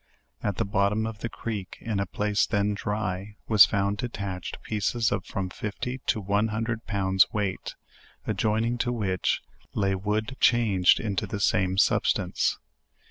At the bottom of the creek in a place then dry, was found detached pieces of from fifty to one hundred pounds weight; adjoining to which lay wood changed into the same substance.